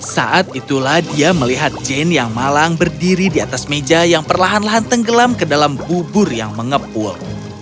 saat itulah dia melihat jane yang malang berdiri di atas meja yang perlahan lahan tenggelam ke dalam bubur yang mengepul